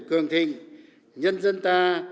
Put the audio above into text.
cường thịnh nhân dân ta